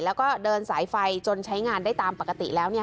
แล้วก็เดินสายไฟจนใช้งานได้ตามปกติแล้ว